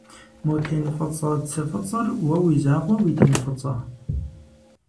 Мо тен фӏыцӏэ цы фӏыцӏэр уэ уи закъуэ уи тен фӏыцӏэ?